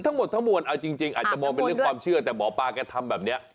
ทั้งหมดทั้งมวลเอาจริงอาจจะมองเป็นเรื่องความเชื่อแต่หมอปลาแกทำแบบนี้